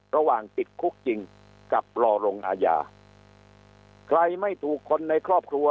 ระหว่างติดคุกจริงกับรอลงอาญาใครไม่ถูกคนในครอบครัว